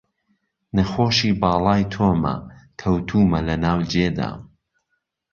نەخۆشی باڵای تۆمە، کەوتوومە لە ناو جێدام